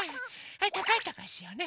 はいたかいたかいしようね。